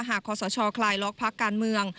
คอสชคลายล็อกพักการเมือง